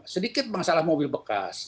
sedikit masalah mobil bekas